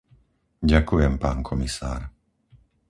Ďakujem, pán komisár.